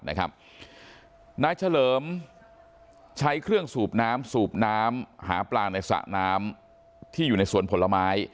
นายเฉลิมใช้เครื่องสูบน้ำสูบน้ำหาปลาในสระน้ำที่อยู่ในสวนผลไม้